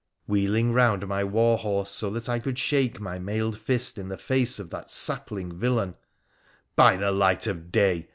Wheeling round my war horse, so that I could shako my mailed fist in the face of that sapling villain —' By the light of day